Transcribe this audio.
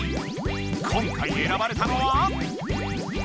今回えらばれたのは？